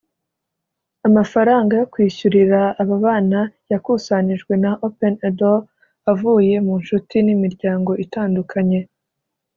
Amafaranga yo kwishyurira aba bana yakusanijwe na Open A Door avuye mu nshuti n’imiryango itandukanye